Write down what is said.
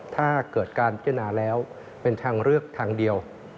ถ้าเกิดการพิจารณาแล้วเป็นทางเลือกทางเดียว